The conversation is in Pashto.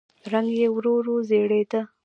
رنګ يې ورو ورو زېړېده.